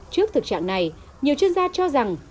trước thực trạng này nhiều chuyên gia cho rằng